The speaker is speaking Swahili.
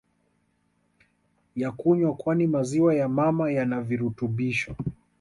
ya kunywa kwani maziwa ya mama yanavirutubisho